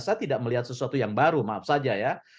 saya tidak melihat sesuatu yang baru maaf saja ya